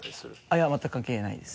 いや全く関係ないです。